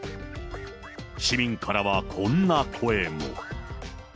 市民からはこんな声も。